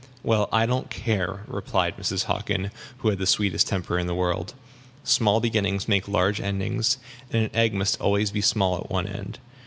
"Well, I don't care," replied Mrs. Hockin, who had the sweetest temper in the world. "Small beginnings make large endings; and an egg must be always small at one end.